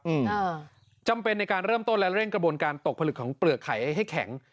อืมอ่าจำเป็นในการเริ่มต้นและเร่งกระบวนการตกผลึกของเปลือกไข่ให้แข็ง